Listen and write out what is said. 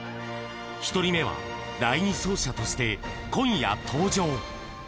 １人目は第２走者として、今夜登場。